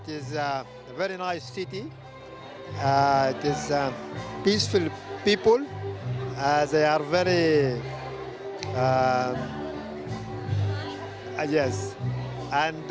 ini adalah kota yang sangat baik orang orang yang berdiaman mereka sangat